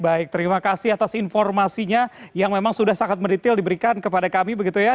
baik terima kasih atas informasinya yang memang sudah sangat mendetail diberikan kepada kami begitu ya